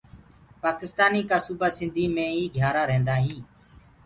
پآڪِستآني ڪآ سوُبآ سندهيٚ مينٚ ئي گھِيآرآ ريهدآئين۔